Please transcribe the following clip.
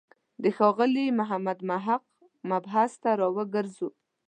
د ښاغلي محمد محق مبحث ته راوګرځو.